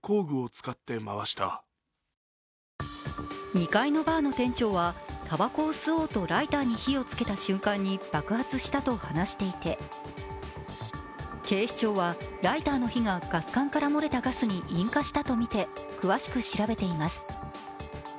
２階のバーの店長はたばこを吸おうとライターに火を付けた瞬間に爆発したと話していて警視庁はライターの火がガス管から漏れたガスに引火したとみて詳しく調べています。